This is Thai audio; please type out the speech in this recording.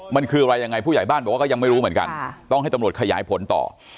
มันคืออะไรยังไงผู้ใหญ่บ้านบอกว่าก็ยังไม่รู้เหมือนกันต้องให้ตำรวจขยายผลต่อ